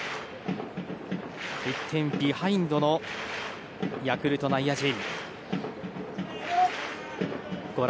１点ビハインドのヤクルト内野陣。